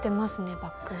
バッグの。